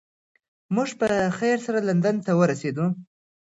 موږ په خیر سره لندن ته ورسیدو.